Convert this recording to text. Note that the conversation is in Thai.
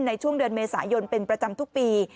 ในช่วงเดือนเมษายนเป็นประจำทุกปี